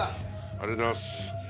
ありがとうございます。